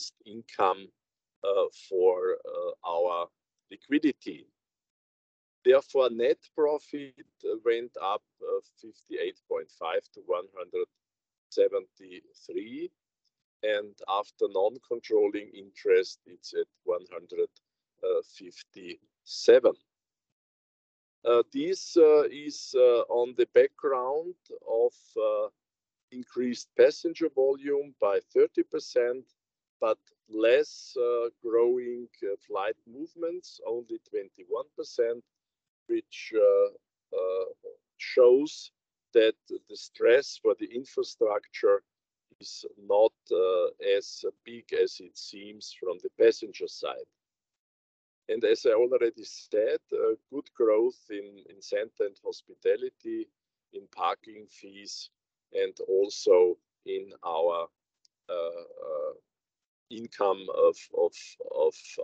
interest income for our liquidity. Therefore, net profit went up 58.5-173, and after non-controlling interest, it's at 157. This is on the background of increased passenger volume by 30%, but less growing flight movements, only 21%, which shows that the stress for the infrastructure is not as big as it seems from the passenger side. And as I already said, good growth in center and hospitality, in parking fees, and also in our income of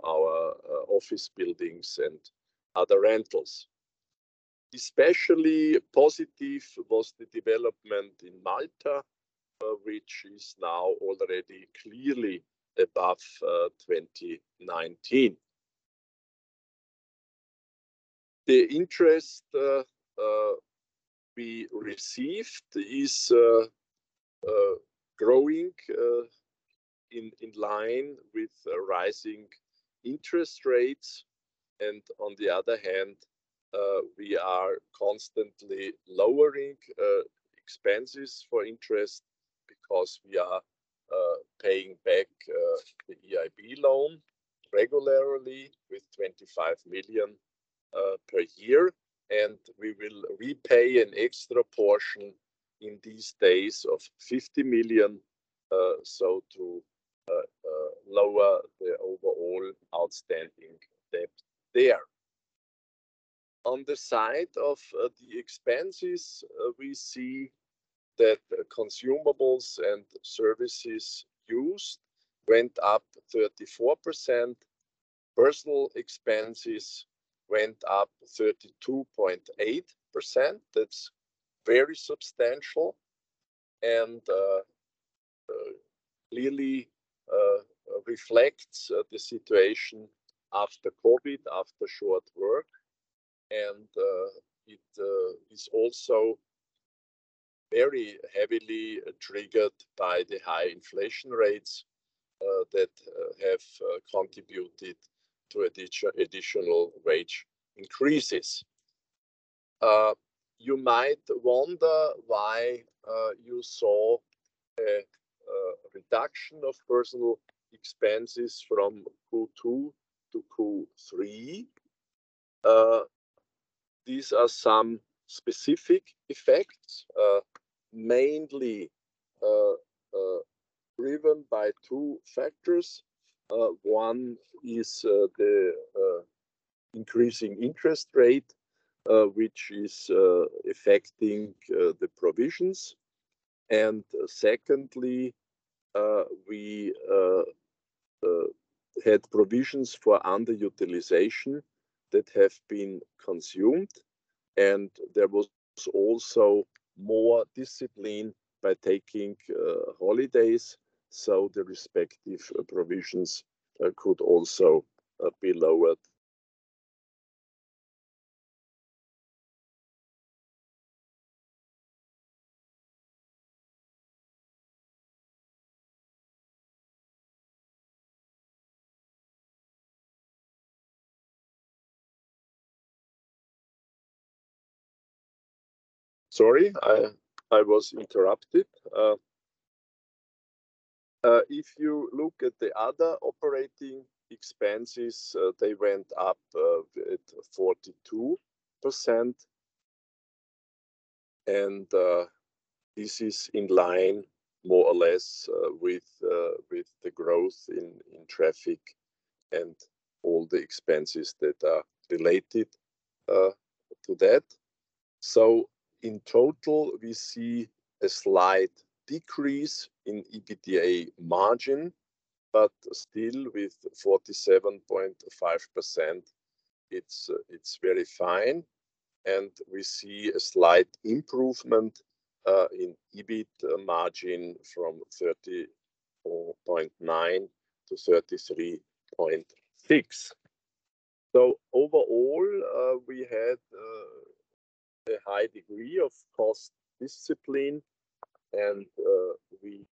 our office buildings and other rentals. Especially positive was the development in Malta, which is now already clearly above 2019. The interest we received is growing in line with rising interest rates, and on the other hand, we are constantly lowering expenses for interest because we are paying back the EIB loan regularly with 25 million per year, and we will repay an extra portion in these days of 50 million, so to lower the overall outstanding debt there. On the side of the expenses, we see that consumables and services used went up 34%. Personnel expenses went up 32.8%. That's very substantial and clearly reflects the situation after COVID, after short work, and it is also very heavily triggered by the high inflation rates that have contributed to additional wage increases. You might wonder why you saw a reduction of Personnel expenses from Q2 to Q3. These are some specific effects, mainly driven by two factors. One is the increasing interest rate, which is affecting the provisions. And secondly, we had provisions for underutilization that have been consumed, and there was also more discipline by taking holidays, so the respective provisions could also be lowered. Sorry, I was interrupted. If you look at the other operating expenses, they went up at 42%, and this is in line, more or less, with the growth in traffic and all the expenses that are related to that. So in total, we see a slight decrease in EBITDA margin, but still, with 47.5%, it's, it's very fine, and we see a slight improvement in EBIT margin from 34.9%-33.6%. So overall, we had a high degree of cost discipline, and we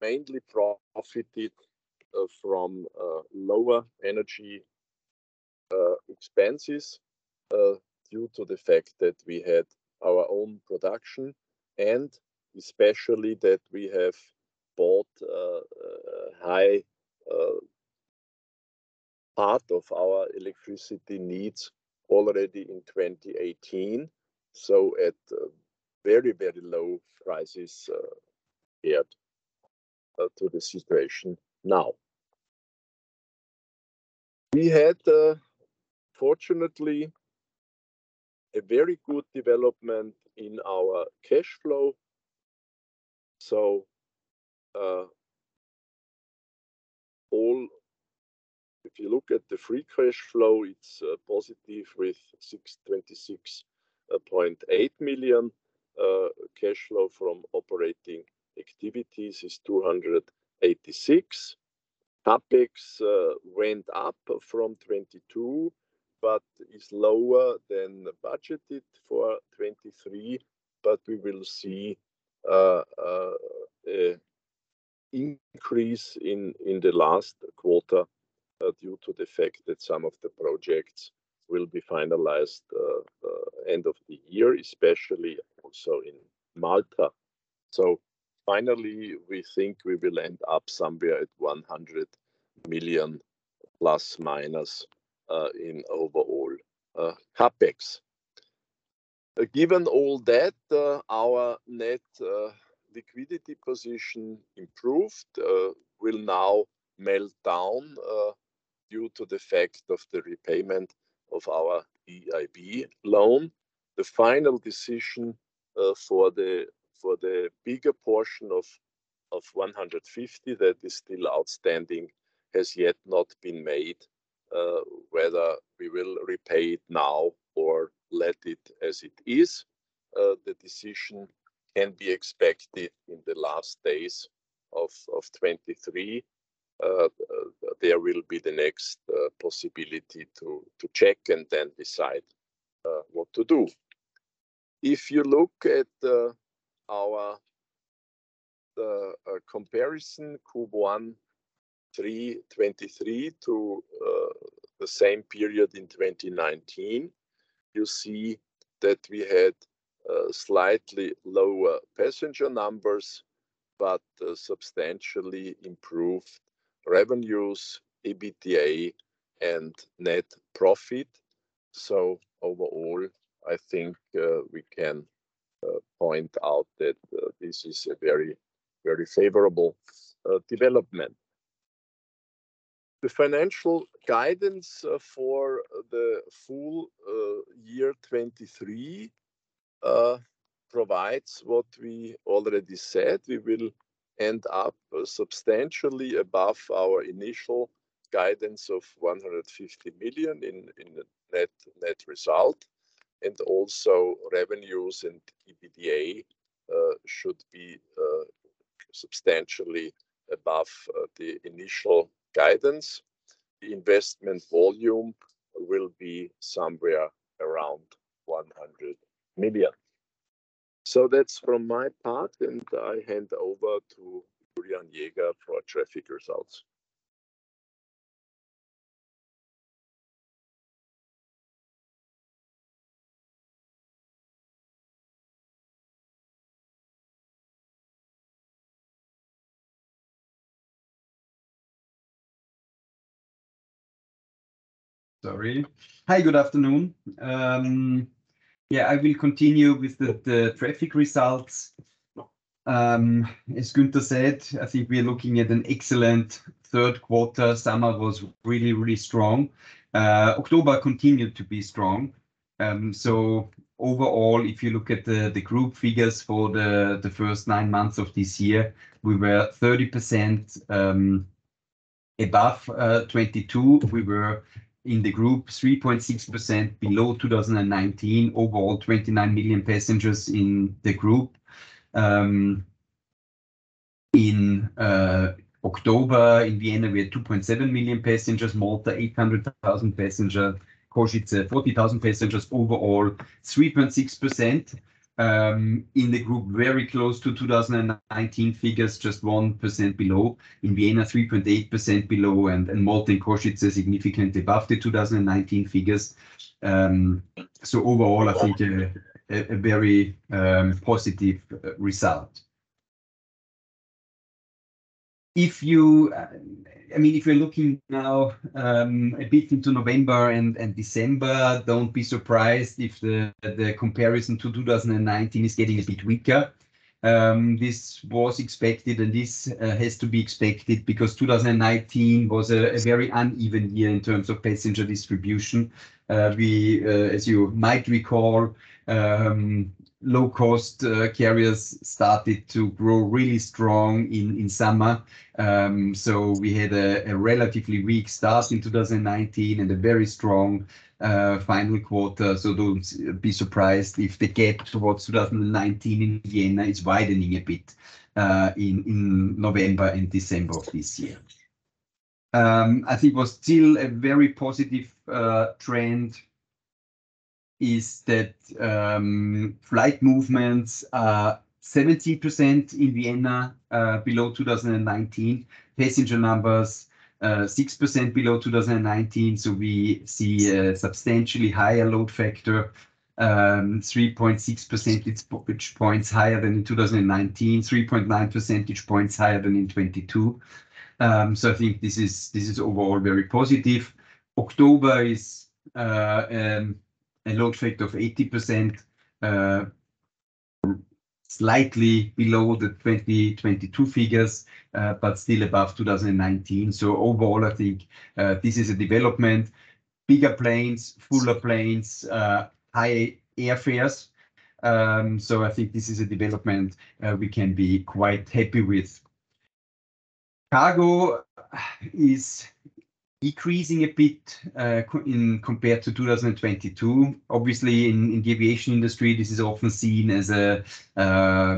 mainly profited from lower energy expenses due to the fact that we had our own production, and especially that we have bought a high part of our electricity needs already in 2018, so at very, very low prices compared to the situation now. We had fortunately a very good development in our cash flow, so, if you look at the free cash flow, it's positive with 626.8 million. Cash flow from operating activities is 286 million. CapEx went up from 22 million, but is lower than budgeted for 2023, but we will see an increase in the last quarter due to the fact that some of the projects will be finalized, end of the year, especially also in Malta. So finally, we think we will end up somewhere at 100 million ± in overall CapEx. Given all that, our net liquidity position improved, will now melt down due to the fact of the repayment of our EIB loan. The final decision for the bigger portion of 150 million that is still outstanding has yet not been made, whether we will repay it now or let it as it is. The decision can be expected in the last days of 2023. There will be the next possibility to check and then decide what to do. If you look at our comparison Q1 2023 to the same period in 2019, you'll see that we had slightly lower passenger numbers, but substantially improved revenues, EBITDA and net profit. So overall, I think we can point out that this is a very, very favorable development. The financial guidance for the full year 2023 provides what we already said. We will end up substantially above our initial guidance of 150 million in the net result, and also revenues and EBITDA should be substantially above the initial guidance. The investment volume will be somewhere around 100 million. So that's from my part, and I hand over to Julian Jäger for our traffic results. Sorry. Hi, good afternoon. Yeah, I will continue with the traffic results. As Günther said, I think we are looking at an excellent third quarter. Summer was really, really strong. October continued to be strong. So overall, if you look at the group figures for the first nine months of this year, we were 30% above 2022. We were in the group 3.6% below 2019. Overall, 29 million passengers in the group. In October, in Vienna, we had 2.7 million passengers, Malta, 800,000 passenger, Košice, 40,000 passengers. Overall, 3.6% in the group, very close to 2019 figures, just 1% below. In Vienna, 3.8% below, and Malta and Košice significantly above the 2019 figures. So overall, I think a very positive result. If you... I mean, if you're looking now a bit into November and December, don't be surprised if the comparison to 2019 is getting a bit weaker. This was expected, and this has to be expected, because 2019 was a very uneven year in terms of passenger distribution. As you might recall, low-cost carriers started to grow really strong in summer. So we had a relatively weak start in 2019, and a very strong final quarter. So don't be surprised if the gap towards 2019 in Vienna is widening a bit, in November and December of this year. I think what's still a very positive trend is that flight movements are 70% in Vienna below 2019. Passenger numbers 6% below 2019, so we see a substantially higher load factor 3.6 percentage points higher than in 2019, 3.9 percentage points higher than in 2022. So I think this is, this is overall very positive. October is a load factor of 80%, slightly below the 2022 figures, but still above 2019. So overall, I think this is a development. Bigger planes, fuller planes, high airfares.... So I think this is a development we can be quite happy with. Cargo is decreasing a bit in compared to 2022. Obviously, in the aviation industry, this is often seen as a,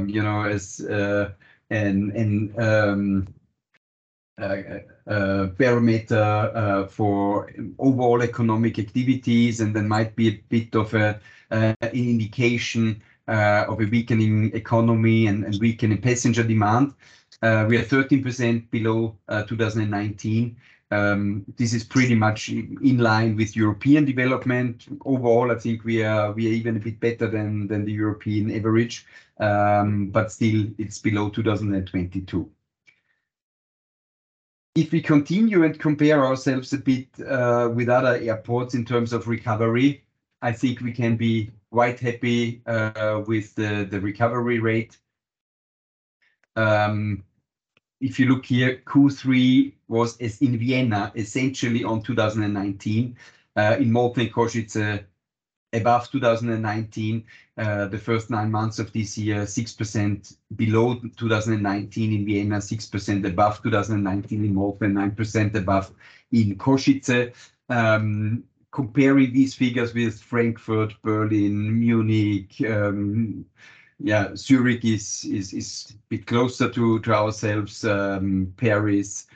you know, as a parameter for overall economic activities, and there might be a bit of an indication of a weakening economy and weakening passenger demand. We are 13% below 2019. This is pretty much in line with European development. Overall, I think we are even a bit better than the European average. But still, it's below 2022. If we continue and compare ourselves a bit with other airports in terms of recovery, I think we can be quite happy with the recovery rate. If you look here, Q3 is in Vienna essentially on 2019. In Malta and Košice, above 2019. The first nine months of this year, 6% below 2019 in Vienna, 6% above 2019 in Malta, and 9% above in Košice. Comparing these figures with Frankfurt, Berlin, Munich, yeah, Zurich is a bit closer to ourselves, Paris.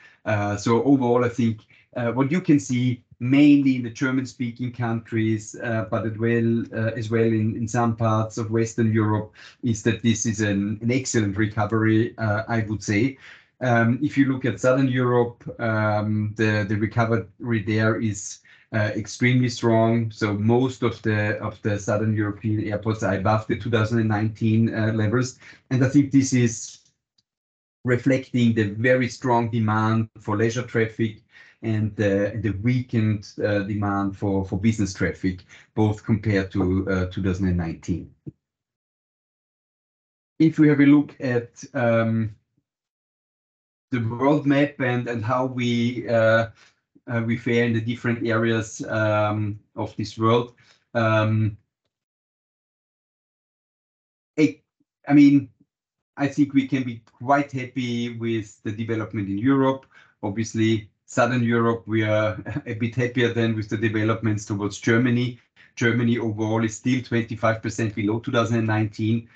So overall, I think what you can see mainly in the German-speaking countries, but as well, as well in some parts of Western Europe, is that this is an excellent recovery, I would say. If you look at Southern Europe, the recovery there is extremely strong. So most of the Southern European airports are above the 2019 levels. And I think this is reflecting the very strong demand for leisure traffic and the weakened demand for business traffic, both compared to 2019. If we have a look at the world map and how we fare in the different areas of this world, I mean, I think we can be quite happy with the development in Europe. Obviously, Southern Europe, we are a bit happier than with the developments towards Germany. Germany overall is still 25% below 2019.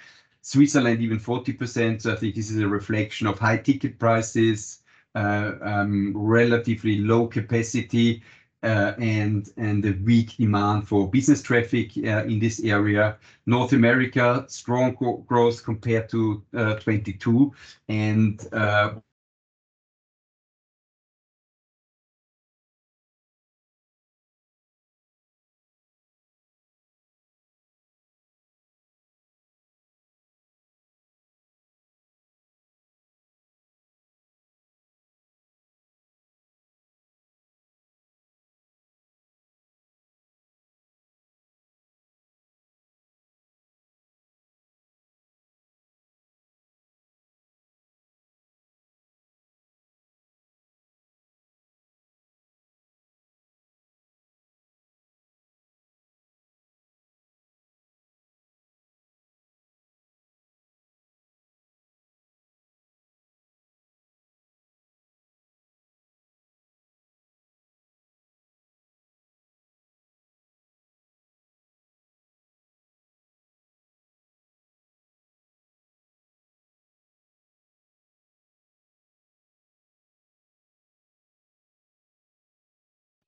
Switzerland, even 40%. So I think this is a reflection of high ticket prices, relatively low capacity, and the weak demand for business traffic in this area. North America, strong growth compared to 2022,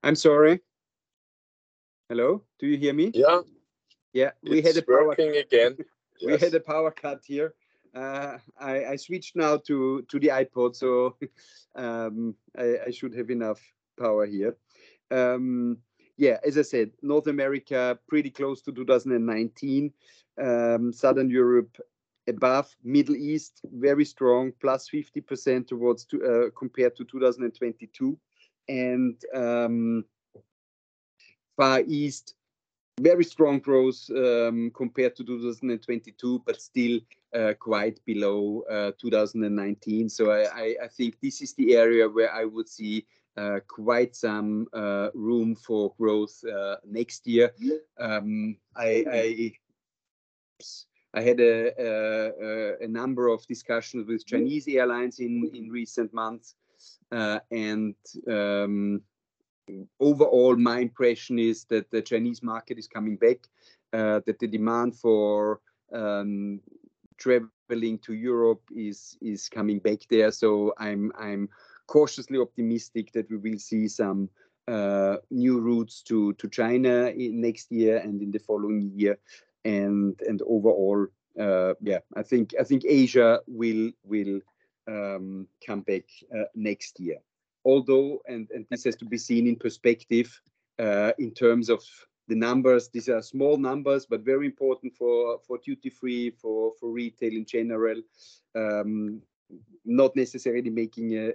and—I'm sorry. Hello, do you hear me? Yeah. Yeah, we had a power—It's working again. Yes. We had a power cut here. I switched now to the iPod, so I should have enough power here. Yeah, as I said, North America, pretty close to 2019. Southern Europe, above. Middle East, very strong, +50% towards to compared to 2022. And Far East, very strong growth compared to 2022, but still quite below 2019. So I think this is the area where I would see quite some room for growth next year. Yeah. I had a number of discussions with Chinese airlines in recent months. And overall, my impression is that the Chinese market is coming back, that the demand for traveling to Europe is coming back there. So I'm cautiously optimistic that we will see some new routes to China next year and in the following year. And overall, yeah, I think Asia will come back next year. Although this has to be seen in perspective, in terms of the numbers, these are small numbers, but very important for duty-free, for retail in general. Not necessarily making a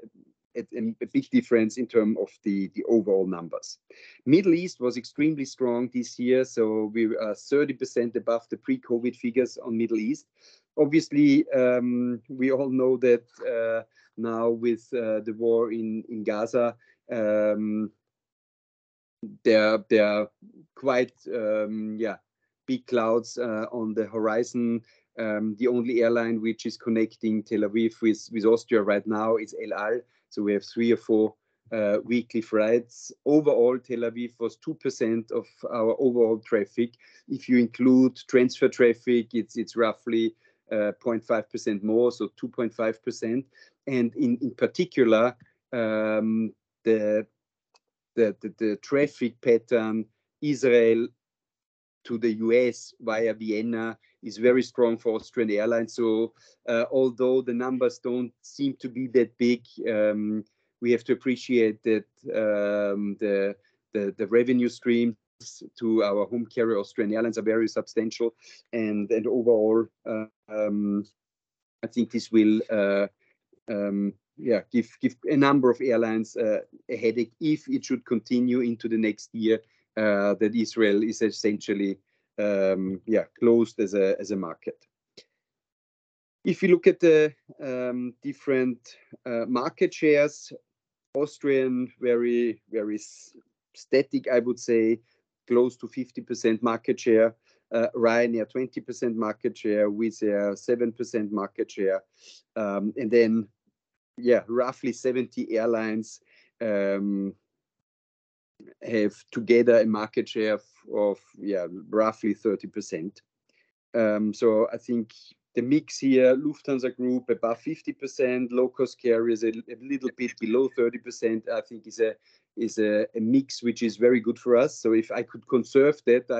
big difference in terms of the overall numbers. Middle East was extremely strong this year, so we are 30% above the pre-COVID figures on Middle East. Obviously, we all know that, now with the war in Gaza, there are quite big clouds on the horizon. The only airline which is connecting Tel Aviv with Austria right now is EL AL. So we have 3 or 4 weekly flights. Overall, Tel Aviv was 2% of our overall traffic. If you include transfer traffic, it's roughly 0.5% more, so 2.5%. And in particular, the traffic pattern, Israel to the U.S. via Vienna is very strong for Austrian Airlines. So, although the numbers don't seem to be that big, we have to appreciate that, the revenue streams to our home carrier, Austrian Airlines, are very substantial. And overall, I think this will give a number of airlines a headache if it should continue into the next year, that Israel is essentially closed as a market. If you look at the different market shares, Austrian, very, very static, I would say, close to 50% market share. Ryanair, 20% market share, Wizz Air, 7% market share. And then, roughly 70 airlines have together a market share of, roughly 30%. So I think the mix here, Lufthansa Group, above 50%, low-cost carriers, a little bit below 30%, I think is a mix which is very good for us. So if I could conserve that,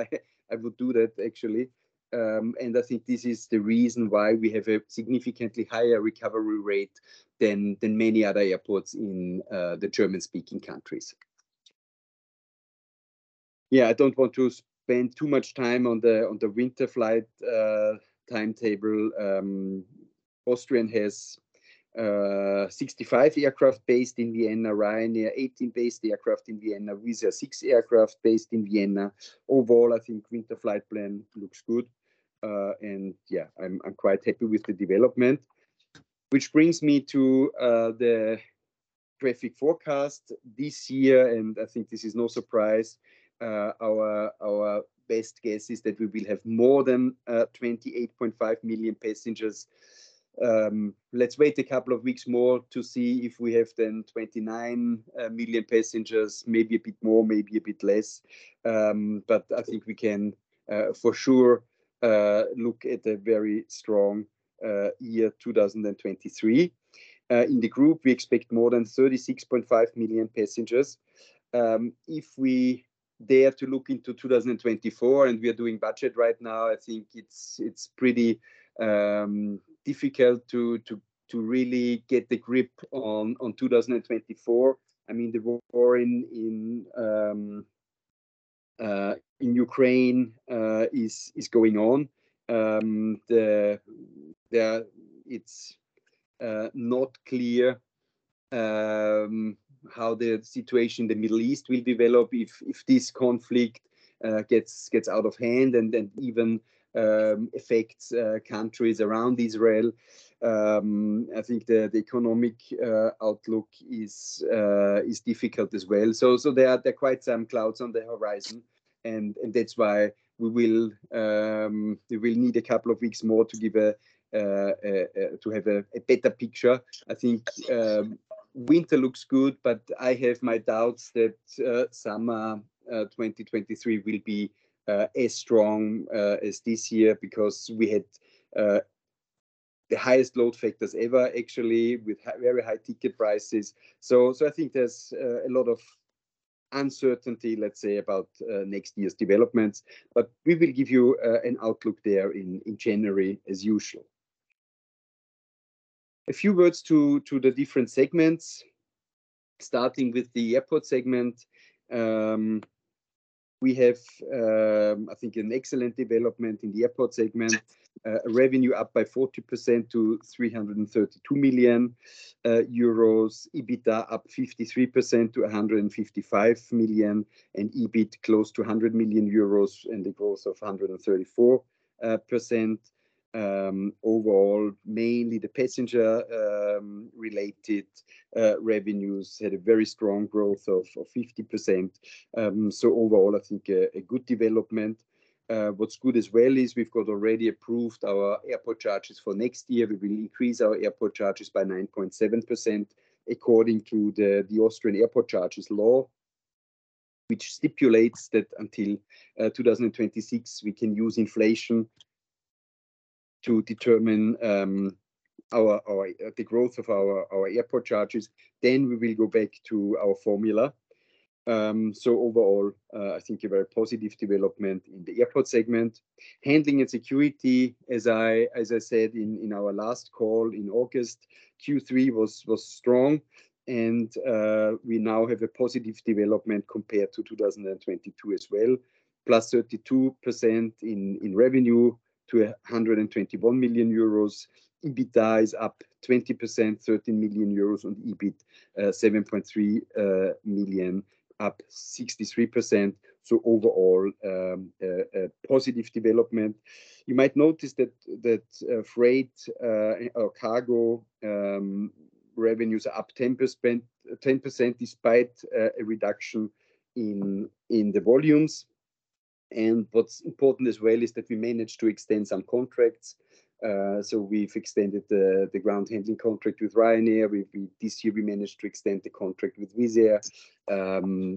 I would do that, actually. And I think this is the reason why we have a significantly higher recovery rate than many other airports in the German-speaking countries. Yeah, I don't want to spend too much time on the winter flight timetable. Austrian has 65 aircraft based in Vienna, Ryanair, 18 based aircraft in Vienna, Wizz Air, six aircraft based in Vienna. Overall, I think winter flight plan looks good. And yeah, I'm quite happy with the development, which brings me to the traffic forecast this year, and I think this is no surprise. Our best guess is that we will have more than 28.5 million passengers. Let's wait a couple of weeks more to see if we have then 29 million passengers, maybe a bit more, maybe a bit less. But I think we can for sure look at a very strong year, 2023. In the group, we expect more than 36.5 million passengers. If we dare to look into 2024, and we are doing budget right now, I think it's pretty difficult to really get a grip on 2024. I mean, the war in Ukraine is going on. It's not clear how the situation in the Middle East will develop if this conflict gets out of hand and then even affects countries around Israel. I think the economic outlook is difficult as well. So there are quite some clouds on the horizon, and that's why we will need a couple of weeks more to have a better picture. I think winter looks good, but I have my doubts that summer 2023 will be as strong as this year, because we had the highest load factors ever, actually, with very high ticket prices. So, so I think there's a lot of uncertainty, let's say, about next year's developments, but we will give you an outlook there in, in January, as usual. A few words to the different segments, starting with the airport segment. We have, I think, an excellent development in the airport segment. Revenue up by 40% to 332 million euros. EBITDA up 53% to 155 million, and EBIT close to 100 million euros, and a growth of 134% . Overall, mainly the passenger related revenues had a very strong growth of 50%. So overall, I think a good development. What's good as well is we've got already approved our airport charges for next year. We will increase our airport charges by 9.7%, according to the Austrian Airport Charges law, which stipulates that until 2026, we can use inflation to determine the growth of our airport charges, then we will go back to our formula. So overall, I think a very positive development in the airport segment. Handling and security, as I said in our last call in August, Q3 was strong, and we now have a positive development compared to 2022 as well, +32% in revenue to 121 million euros. EBITDA is up 20%, 13 million euros on EBIT, 7.3 million, up 63%, so overall, a positive development. You might notice that freight or cargo revenues are up 10%, 10%, despite a reduction in the volumes... and what's important as well is that we managed to extend some contracts. So we've extended the ground handling contract with Ryanair. This year we managed to extend the contract with Wizz Air.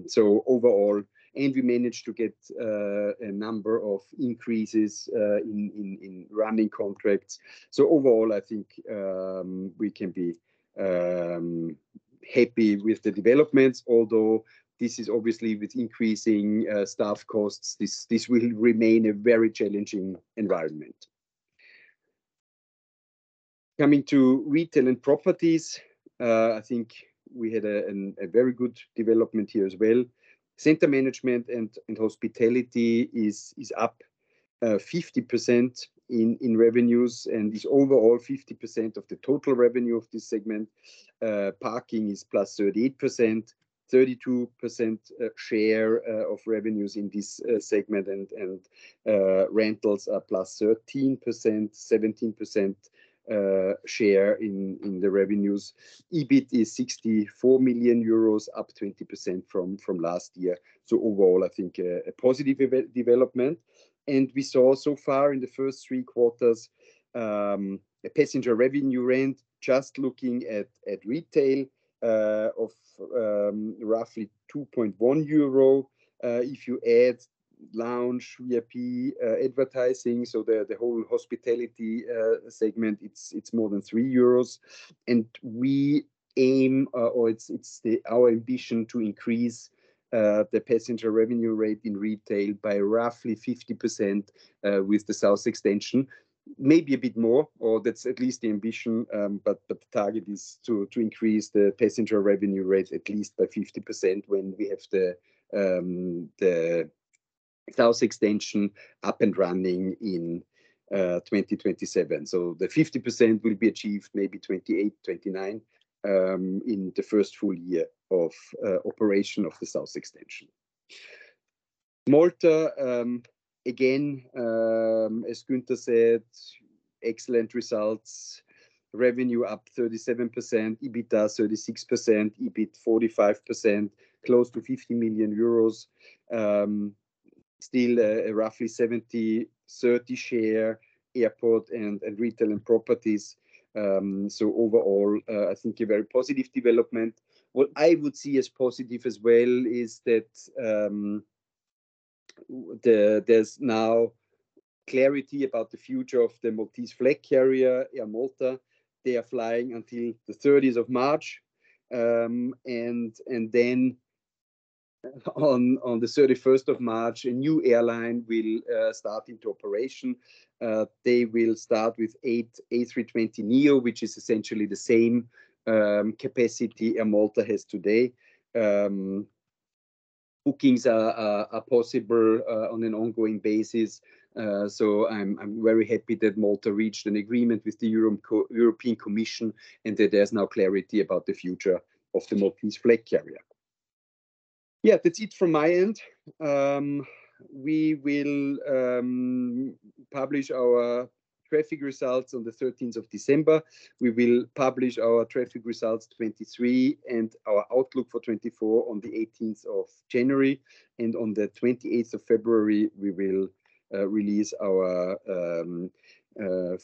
So overall, and we managed to get a number of increases in running contracts. So overall, I think we can be happy with the developments, although this is obviously with increasing staff costs, this will remain a very challenging environment. Coming to retail and properties, I think we had a very good development here as well. Center management and hospitality is up 50% in revenues, and is overall 50% of the total revenue of this segment. Parking is +38%, 32% share of revenues in this segment, and rentals are +13%, 17% share in the revenues. EBIT is 64 million euros, up 20% from last year. So overall, I think, a positive even development, and we saw so far in the first three quarters, a passenger revenue rate, just looking at retail, of roughly 2.1 euro. If you add lounge VIP, advertising, so the whole hospitality segment, it's more than 3 euros. We aim, or it's our ambition to increase the passenger revenue rate in retail by roughly 50%, with the South Extension. Maybe a bit more, or that's at least the ambition, but the target is to increase the passenger revenue rate at least by 50% when we have the South Extension up and running in 2027. So the 50% will be achieved maybe 2028, 2029, in the first full year of operation of the South Extension. Malta, again, as Günther said, excellent results. Revenue up 37%, EBITDA 36%, EBIT 45%, close to EUR 50 million. Still, a roughly 70-30 share, airport and retail and properties. So overall, I think a very positive development. 31 of March, a new airline will start into operation. They will start with eight A320neo, which is essentially the same capacity Air Malta has today. Bookings are possible on an ongoing basis. So I'm very happy that Malta reached an agreement with the European Commission, and that there's now clarity about the future of the Maltese flag carrier. Yeah, that's it from my end. We will publish our traffic results on the 13th of December. We will publish our traffic results 2023 and our outlook for 2024 on the 18 of January, and on the 28 of February, we will release our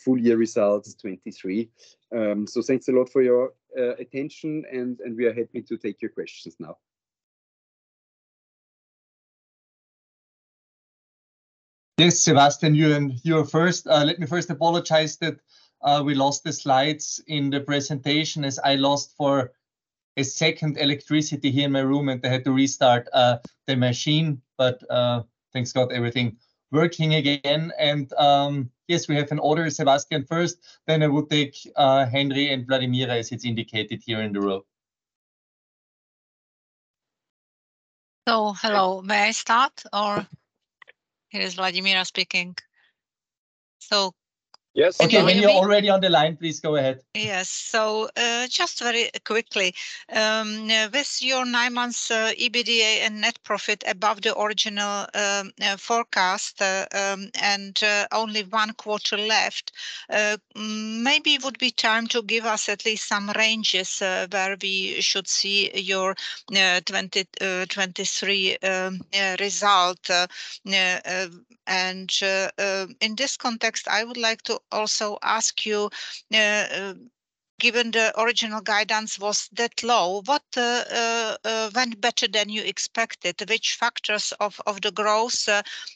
full year results, 2023. So thanks a lot for your attention, and we are happy to take your questions now. Yes, Sebastian, you're first. Let me first apologize that we lost the slides in the presentation, as I lost for a second electricity here in my room, and I had to restart the machine. But thanks God, everything working again. And yes, we have an order, Sebastian, first, then I will take Henry and Vladimira, as it's indicated here in the row. Hello, may I start, or...? It is Vladimira speaking. So- Yes, please. Okay, when you're already on the line, please go ahead. Yes, so just very quickly, with your nine months EBITDA and net profit above the original forecast, and only one quarter left, maybe it would be time to give us at least some ranges where we should see your 2023 result. In this context, I would like to also ask you, given the original guidance was that low, what went better than you expected? Which factors of the growth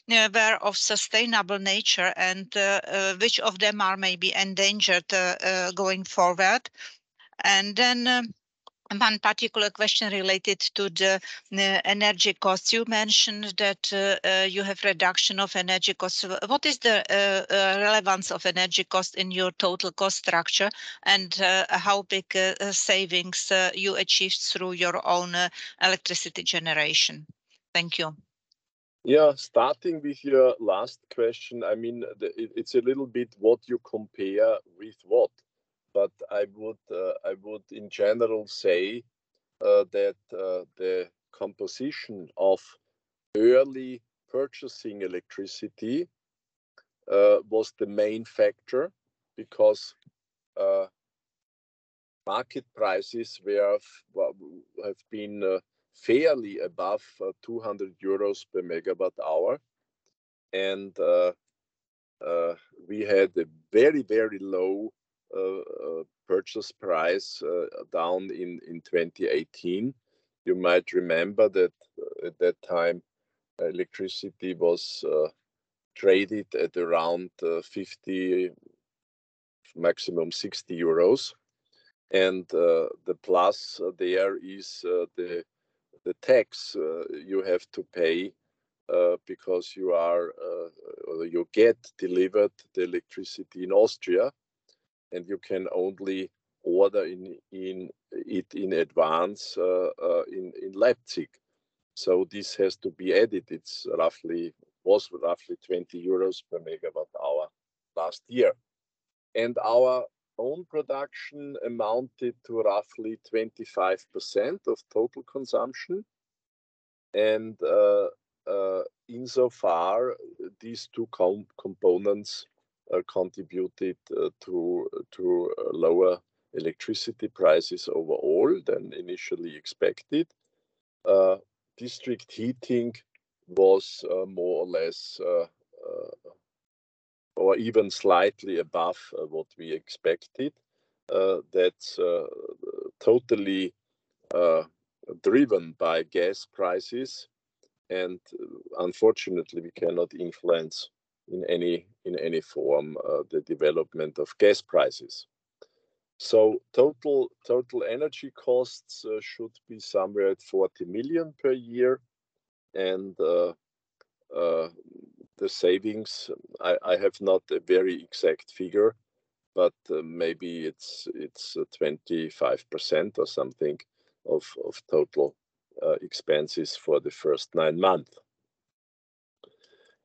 were of sustainable nature, and which of them are maybe endangered going forward? And then, one particular question related to the energy costs. You mentioned that you have reduction of energy costs. What is the relevance of energy cost in your total cost structure? And how big savings you achieved through your own electricity generation? Thank you. Yeah, starting with your last question, I mean, the, it, it's a little bit what you compare with what. But I would, I would, in general, say, that, the composition of early purchasing electricity, was the main factor, because, market prices were, well, have been fairly above 200 euros per MWh. And we had a very, very low purchase price down in 2018. You might remember that at that time, electricity was traded at around 50, maximum 60 euros. And the plus there is the tax you have to pay because you are-- or you get delivered the electricity in Austria, and you can only order it in advance in Leipzig. So this has to be added. It's roughly, was roughly 20 euros per MWh last year. And our own production amounted to roughly 25% of total consumption. And insofar these two components contributed to lower electricity prices overall than initially expected. District heating was more or less, or even slightly above what we expected. That's totally driven by gas prices, and unfortunately, we cannot influence in any, in any form the development of gas prices. So total energy costs should be somewhere at 40 million per year, and the savings, I have not a very exact figure, but maybe it's 25% or something of total expenses for the first nine months.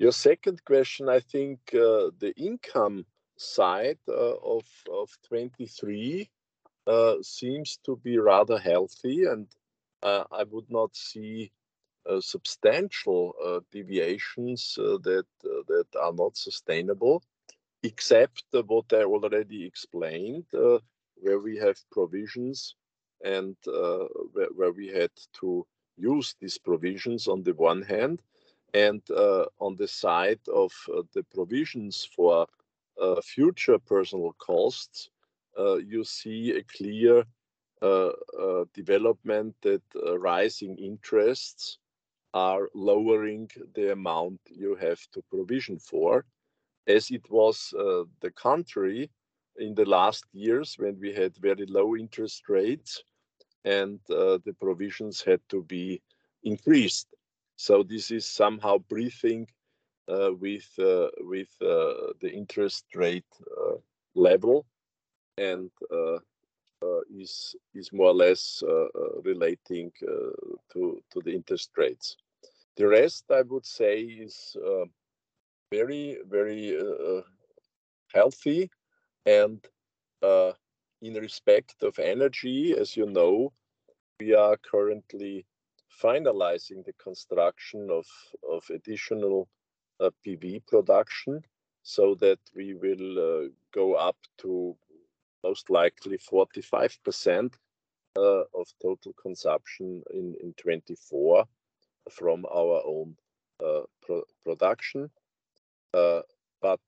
Your second question, I think, the income side of 23 seems to be rather healthy, and I would not see substantial deviations that are not sustainable, except what I already explained, where we have provisions and where we had to use these provisions on the one hand, and on the side of the provisions for future personal costs, you see a clear development that rising interests are lowering the amount you have to provision for, as it was the contrary in the last years when we had very low interest rates and the provisions had to be increased. So this is somehow briefing with the interest rate level and is more or less relating to the interest rates. The rest, I would say, is very, very healthy. And in respect of energy, as you know, we are currently finalizing the construction of additional PV production, so that we will go up to most likely 45% of total consumption in 2024 from our own production. But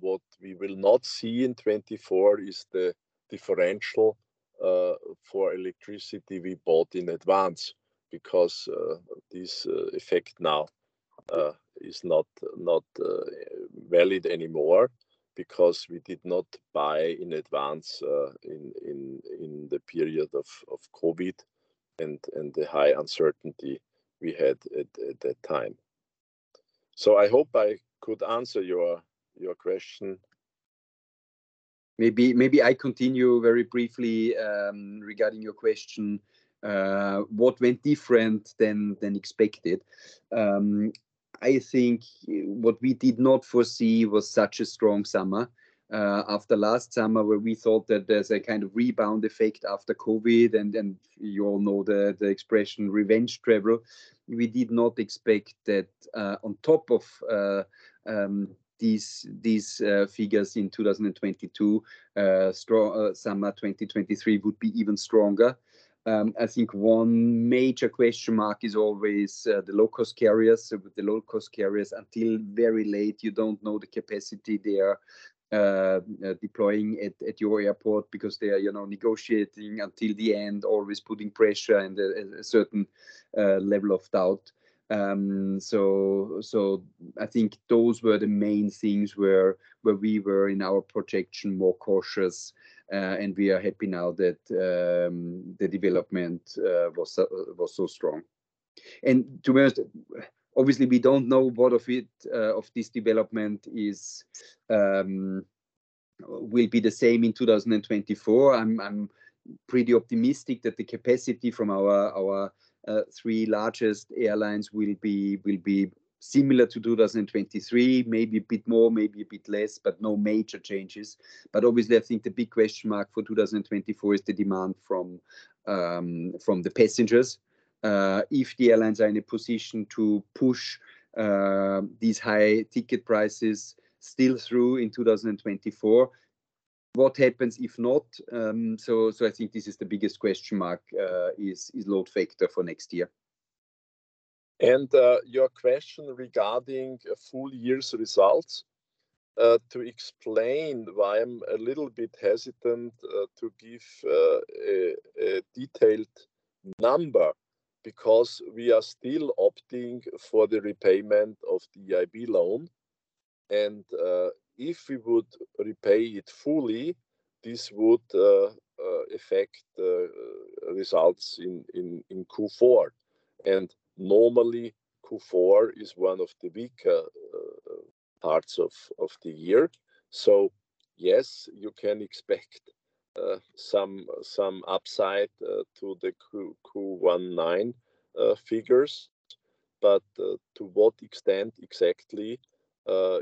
what we will not see in 2024 is the differential for electricity we bought in advance, because this effect now is not valid anymore because we did not buy in advance in the period of COVID and the high uncertainty we had at that time. I hope I could answer your question. Maybe, maybe I continue very briefly regarding your question, what went different than expected. I think what we did not foresee was such a strong summer after last summer, where we thought that there's a kind of rebound effect after Covid, and you all know the expression, revenge travel. We did not expect that on top of these figures in 2022, strong summer 2023 would be even stronger. I think one major question mark is always the low-cost carriers. With the low-cost carriers, until very late, you don't know the capacity they are deploying at your airport because they are, you know, negotiating until the end, always putting pressure and a certain level of doubt. So I think those were the main things where we were in our projection, more cautious. And we are happy now that the development was so strong. And to be honest, obviously, we don't know what of it of this development is will be the same in 2024. I'm pretty optimistic that the capacity from our three largest airlines will be similar to 2023. Maybe a bit more, maybe a bit less, but no major changes. But obviously, I think the big question mark for 2024 is the demand from from the passengers... if the airlines are in a position to push these high ticket prices still through in 2024. What happens if not? So, I think this is the biggest question mark, is load factor for next year. Your question regarding a full year's results, to explain why I'm a little bit hesitant to give a detailed number, because we are still opting for the repayment of the EIB loan, and if we would repay it fully, this would affect the results in Q4. And normally, Q4 is one of the weaker parts of the year. So yes, you can expect some upside to the Q1 nine figures, but to what extent exactly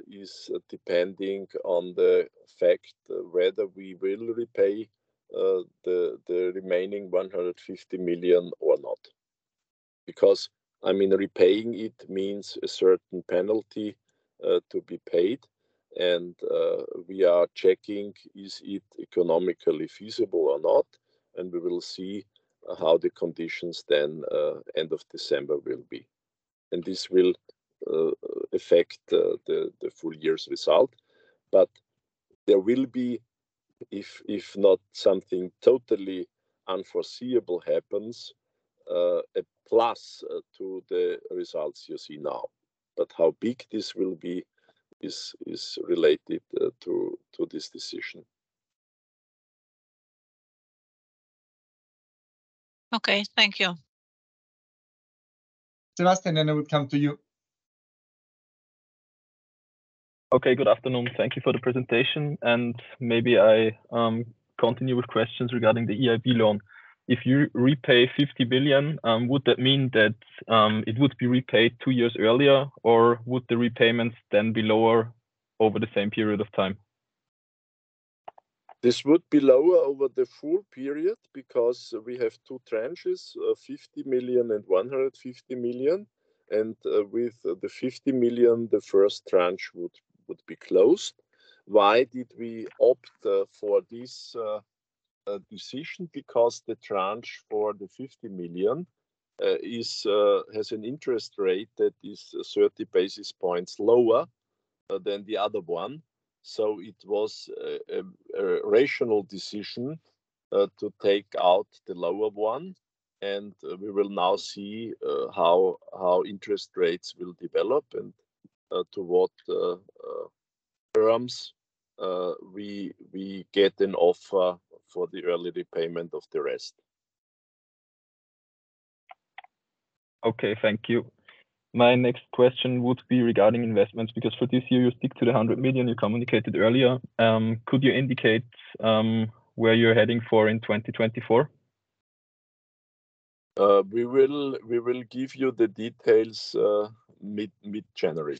is depending on the fact whether we will repay the remaining 150 million or not. Because, I mean, repaying it means a certain penalty to be paid, and we are checking is it economically feasible or not, and we will see how the conditions then end of December will be. And this will affect the full year's result. But there will be, if not something totally unforeseeable happens, a plus to the results you see now. But how big this will be is related to this decision. Okay. Thank you. Sebastian, then I would come to you. Okay. Good afternoon. Thank you for the presentation, and maybe I continue with questions regarding the EIB loan. If you repay 50 billion, would that mean that it would be repaid two years earlier, or would the repayments then be lower over the same period of time? This would be lower over the full period, because we have two tranches, 50 million and 150 million, and with the 50 million, the first tranche would be closed. Why did we opt for this decision? Because the tranche for the 50 million has an interest rate that is 30 basis points lower than the other one. So it was a rational decision to take out the lower one, and we will now see how interest rates will develop and to what terms we get an offer for the early repayment of the rest. Okay. Thank you. My next question would be regarding investments, because for this year, you stick to the 100 million you communicated earlier. Could you indicate where you're heading for in 2024? We will, we will give you the details mid-January.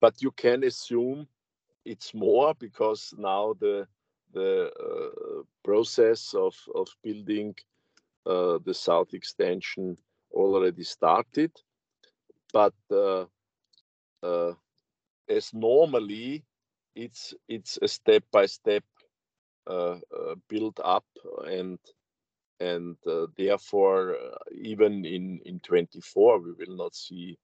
But you can assume it's more, because now the process of building the South Extension already started. But as normally, it's a step-by-step build up, and therefore, even in 2024, we will not see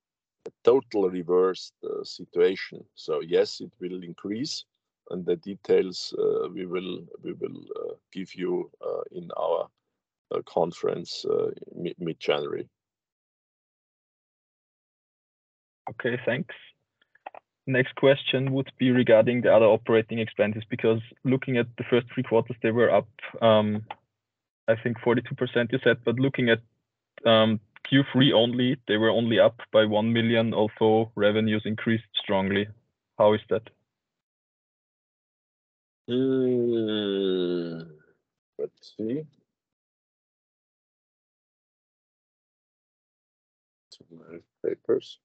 a total reversed situation. So yes, it will increase, and the details we will, we will give you in our conference mid-January. Okay, thanks. Next question would be regarding the other operating expenses, because looking at the first three quarters, they were up, I think 42% you said, but looking at Q3 only, they were only up by 1 million, although revenues increased strongly. How is that? Let's see. To my papers.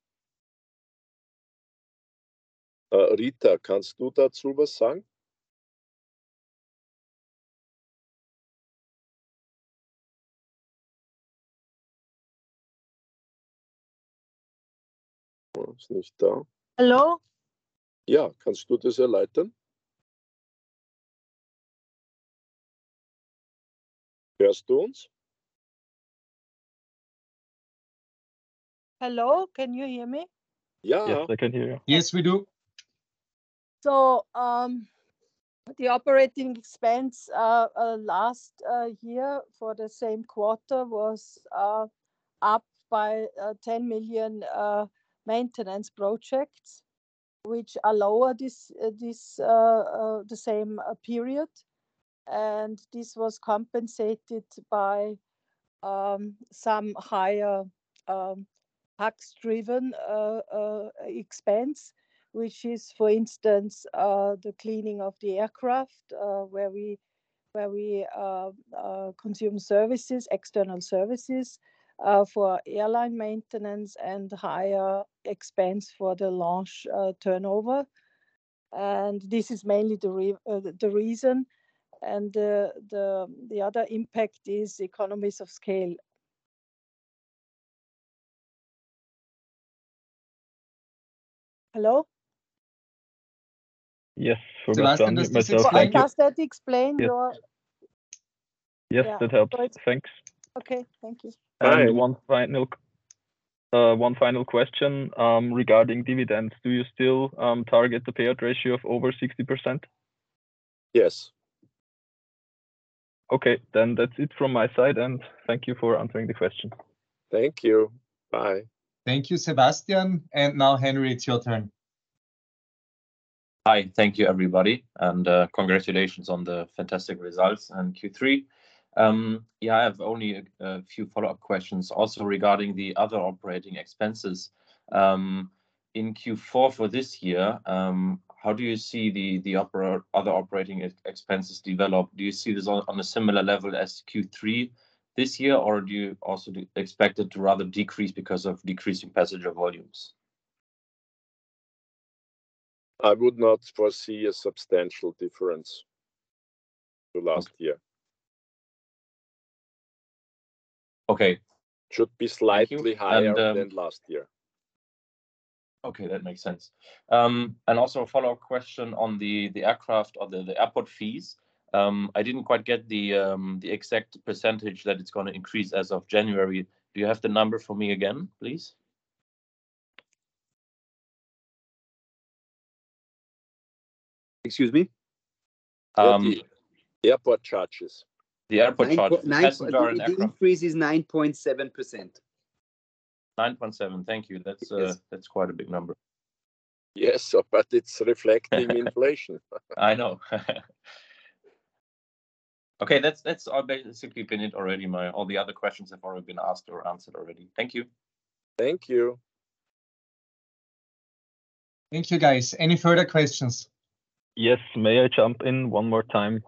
Rita, "Kannst du dazu was sagen?" She's not there. Hello? Yeah. „Kannst du das erläutern? Hörst du uns?“ Hello, can you hear me? Yeah. Yes, I can hear you. Yes, we do. So, the operating expense last year for the same quarter was up by 10 million, maintenance projects, which are lower this the same period. And this was compensated by some higher tax-driven expense, which is, for instance, the cleaning of the aircraft, where we consume external services for airline maintenance and higher expense for the lounge turnover... and this is mainly the reason, and the other impact is economies of scale. Hello? Yes, Sebastian, this is- So I just had to explain your- Yes. Yes, that helps. Yeah. Thanks. Okay, thank you. Bye. Only one final, one final question regarding dividends. Do you still target the payout ratio of over 60%? Yes. Okay, then that's it from my side, and thank you for answering the question. Thank you. Bye. Thank you, Sebastian, and now, Henry, it's your turn. Hi. Thank you, everybody, and congratulations on the fantastic results in Q3. Yeah, I have only a few follow-up questions, also regarding the other operating expenses. In Q4 for this year, how do you see the other operating expenses develop? Do you see this on a similar level as Q3 this year, or do you expect it to rather decrease because of decreasing passenger volumes? I would not foresee a substantial difference to last year. Okay. Should be slightly higher- Thank you.... than last year. Okay, that makes sense. And also a follow-up question on the aircraft or the airport fees. I didn't quite get the exact percentage that it's gonna increase as of January. Do you have the number for me again, please? Excuse me? The airport charges. The airport charges- Nine point... Passenger and aircraft. The increase is 9.7%. 9.7. Thank you. Yes. That's, that's quite a big number. Yes, but it's reflecting inflation. I know. Okay, that's, that's all. Basically been it already. All the other questions have already been asked or answered already. Thank you. Thank you. Thank you, guys. Any further questions? Yes. May I jump in one more time?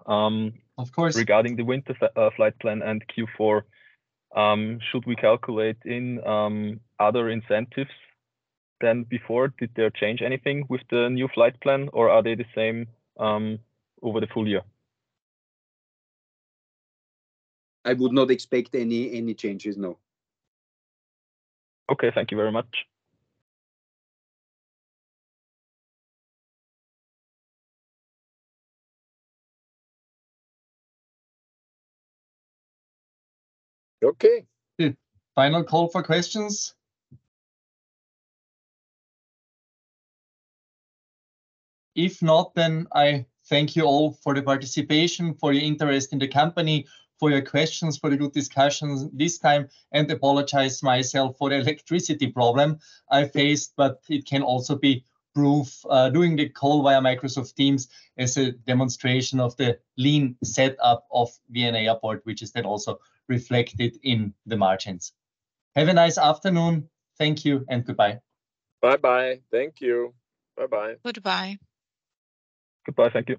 Of course. Regarding the winter flight plan and Q4, should we calculate in other incentives than before? Did they change anything with the new flight plan, or are they the same over the full year? I would not expect any changes, no. Okay. Thank you very much. Okay. Final call for questions. If not, then I thank you all for the participation, for your interest in the company, for your questions, for the good discussions this time, and apologize myself for the electricity problem I faced, but it can also be proof, doing the call via Microsoft Teams as a demonstration of the lean setup of Vienna Airport, which is then also reflected in the margins. Have a nice afternoon. Thank you, and goodbye. Bye-bye. Thank you. Bye-bye. Goodbye. Goodbye. Thank you.